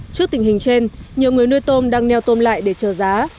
trước tình hình trên nhiều người nuôi tôm đang neo tôm lại để chờ giá